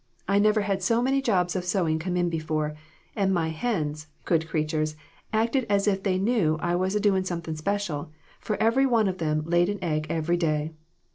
I never had so many jobs of sewing come in before, and my hens good creatures acted as if they knew I was a doin' something special, for every one of them laid an egg every day.